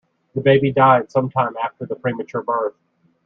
The baby died some time after the premature birth.